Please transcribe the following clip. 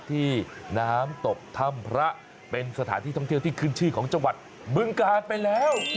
ที่น้ำตกถ้ำพระเป็นสถานที่ท่องเที่ยวที่ขึ้นชื่อของจังหวัดบึงกาลไปแล้ว